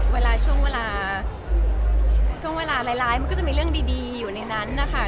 เวลาช่วงเวลาช่วงเวลาร้ายมันก็จะมีเรื่องดีอยู่ในนั้นนะคะ